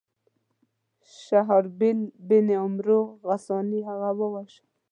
شهرابیل بن عمرو غساني هغه وواژه.